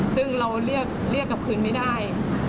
ซึ่งเราเรียกกลับคืนไม่ได้